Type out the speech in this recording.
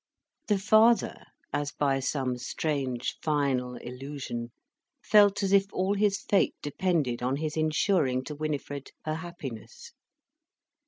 The father, as by some strange final illusion, felt as if all his fate depended on his ensuring to Winifred her happiness.